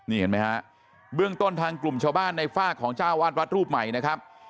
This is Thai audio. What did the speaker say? นี่เห็นไหมฮะเบื้องต้นทางกลุ่มชาวบ้านในฝากของเจ้าวาดวัดรูปใหม่นะครับ